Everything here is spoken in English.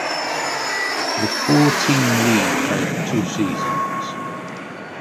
The four–team league played for two seasons.